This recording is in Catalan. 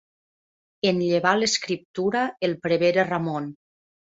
En llevà l'escriptura el prevere Ramon.